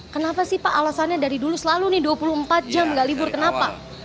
kenapa sih pak alasannya dari dulu selalu nih dua puluh empat jam gak libur kenapa